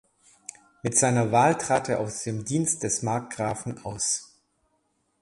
Mit seiner Wahl trat er aus dem Dienst des Markgrafen aus.